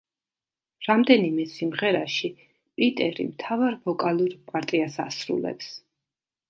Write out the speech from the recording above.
რამდენიმე სიმღერაში პიტერი მთავარ ვოკალურ პარტიას ასრულებს.